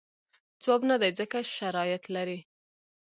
ځواب نه دی ځکه شرایط لري.